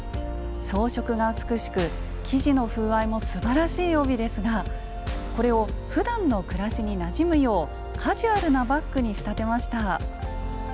装飾が美しく生地の風合いもすばらしい帯ですがこれをふだんの暮らしになじむようカジュアルなバッグに仕立てました。